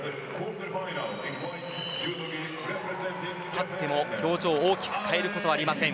勝っても表情を大きく変えることはありません